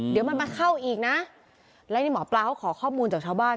เดี๋ยวมันมาเข้าอีกนะแล้วนี่หมอปลาเขาขอข้อมูลจากชาวบ้าน